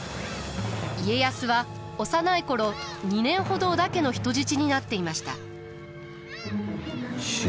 家康は幼い頃２年ほど織田家の人質になっていました。